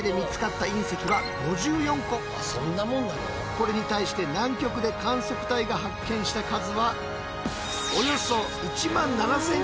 これに対して南極で観測隊が発見した数はおよそ１万７，０００個。